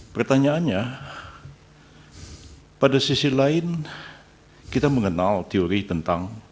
pertanyaannya pada sisi lain kita mengenal teori tentang